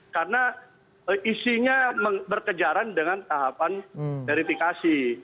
karena isinya berkejaran dengan tahapan verifikasi